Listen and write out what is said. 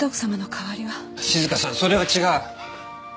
静香さんそれは違う。